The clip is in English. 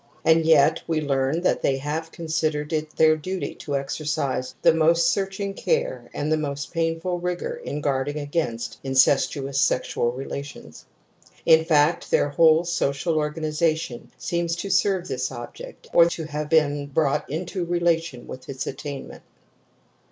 And yet we learn that they have considered it their duty.to^xerd&e" tj^., most^soarching care,, and. tha.»u>st painful rigour in guarding against incestuous sexual relations. In fact their whole social organiza tion seems to serve this object or to have been brought into relation with its attainment.